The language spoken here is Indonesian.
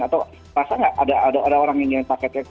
atau pasang nggak ada orang yang kirim paketnya